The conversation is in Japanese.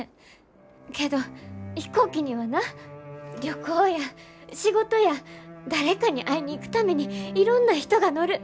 けど飛行機にはな旅行や仕事や誰かに会いに行くためにいろんな人が乗る。